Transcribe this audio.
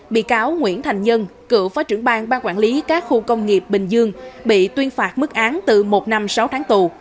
bị cáo nguyễn thành nhân cựu phó trưởng bang ban quản lý các khu công nghiệp bình dương bị tuyên phạt mức án từ một năm sáu tháng tù